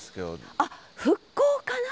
あっ復興かな？